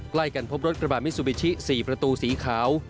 ใกล้กันพบรถกระบาดมิซูบิชิ๔ประตูสีขาว